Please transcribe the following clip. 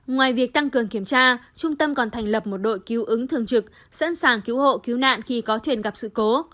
ngoài việc tăng cường kiểm tra trung tâm còn thành lập một đội cứu ứng thường trực sẵn sàng cứu hộ cứu nạn khi có thuyền gặp sự cố